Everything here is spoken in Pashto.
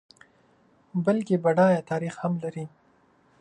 بلکه بډایه تاریخ هم لري.